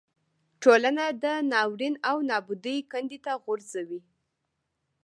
ټولنه د ناورین او نابودۍ کندې ته غورځوي.